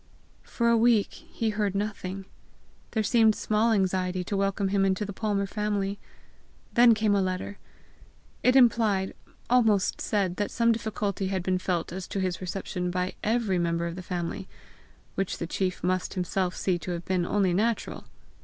For a week, he heard nothing; there seemed small anxiety to welcome him into the Palmer family! Then came a letter. It implied, almost said that some difficulty had been felt as to his reception by EVERY member of the family which the chief must himself see to have been only natural!